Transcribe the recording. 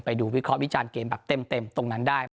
วิเคราะห์วิจารณ์เกมแบบเต็มตรงนั้นได้